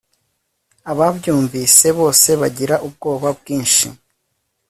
ababyumvise bose bagira ubwoba bwinshi